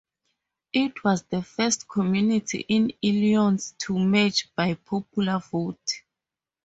It was the first community in Illinois to merge by popular vote.